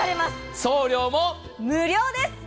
送料も無料です。